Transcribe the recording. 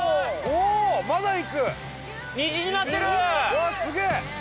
うわすげえ！